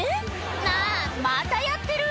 あぁまたやってる！